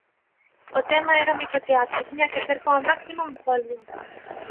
O tema era o microteatro, e tiña que ser como máximo un folio.